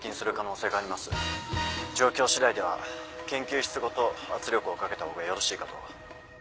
状況しだいでは研究室ごと圧力をかけた方がよろしいかと。